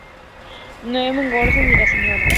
Noemí Gómez y la Sra.